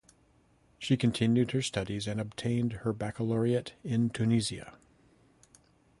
She continued her studies and obtained her baccalaureate in Tunisia.